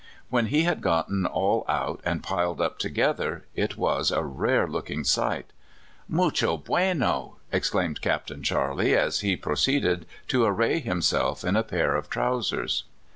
When he had gotten all out and piled up together, it was a rare looking sight. '''•Mucho biienol'' exclaimed Capt. Charley, as he proceeded to array himself in a pair of trousers.